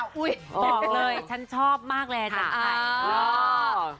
บอกเลยฉันชอบมากเลยอาจารย์ไทย